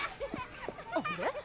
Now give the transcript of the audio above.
あれ？